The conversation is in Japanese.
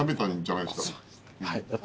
はい。